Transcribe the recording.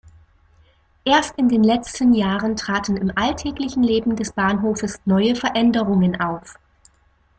Erst in den letzten Jahren traten im alltäglichen Leben des Bahnhofes neue Veränderungen auf.